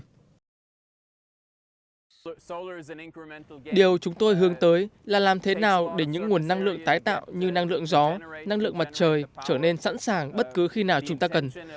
điều chúng tôi hướng tới là làm thế nào để những nguồn năng lượng tái tạo như năng lượng gió năng lượng mặt trời trở nên sẵn sàng bất cứ khi nào chúng ta cần